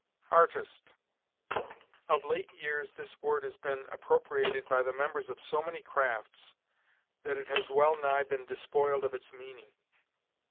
ARTIST. Of late years this word has been appropriated by the members of so many crafts, that it has well nigh been despoiled of its meaning.